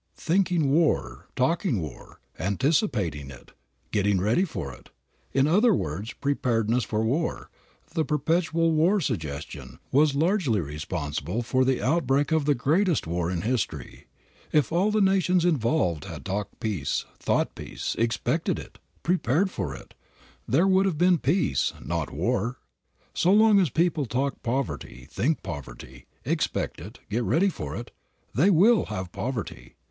Thinking war, talking war, anticipating it, getting ready for it, in other words, preparedness for war, the perpetual war suggestion, was largely responsible for the outbreak of the greatest war in history. If all the nations involved had talked peace, thought peace, expected it, prepared for it, there would have been peace, not war. So long as people talk poverty, think poverty, expect it, get ready for it, they will have poverty.